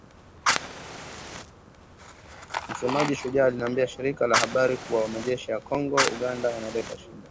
Msemaji Shujaa aliliambia shirika la habari kuwa majeshi ya Kongo na Uganda yanaleta shida